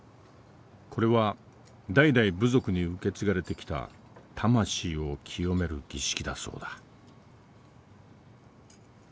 これは代々部族に受け継がれてきた魂を清める儀式だそうだ。